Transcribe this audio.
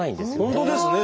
本当ですね。